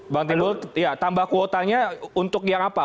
bang timbul tambah kuotanya untuk yang apa